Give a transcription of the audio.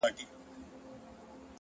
هره ورځ د نوې نسخې په شان ده’